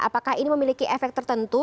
apakah ini memiliki efek tertentu